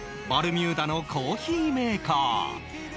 バルミューダのコーヒーメーカー